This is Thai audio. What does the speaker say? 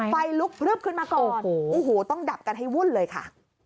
ไฟลุกพลึบขึ้นมาก่อนโอ้โหต้องดับกันให้วุ่นเลยค่ะ